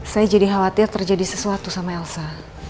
saya jadi khawatir terjadi sesuatu sama elsa